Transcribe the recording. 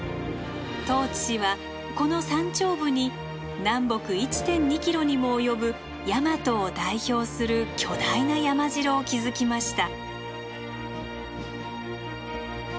十市氏はこの山頂部に南北１．２ｋｍにも及ぶ大和を代表する巨大な山城を築きました。